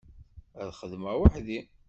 Ad xedmeɣ weḥd-i.